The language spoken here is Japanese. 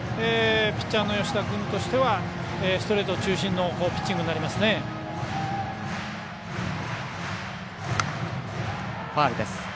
ピッチャーの吉田君としてはストレート中心のピッチングになります。